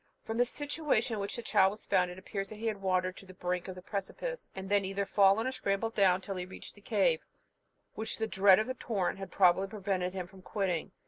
From the situation in which the child was found, it appears that he had wandered to the brink of the precipice, and then either fallen or scrambled down till he reached the cave, which the dread of the torrent had probably prevented him from quitting.